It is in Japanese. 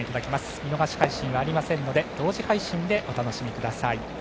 見逃し配信はありませんので同時配信でご覧ください。